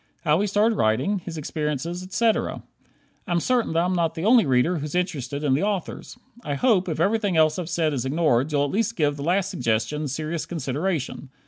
How he started writing, his experiences, etc. I'm certain that I'm not the only reader who's interested in the authors. I hope, if everything else I've said is ignored, you'll at least give the last suggestion serious consideration.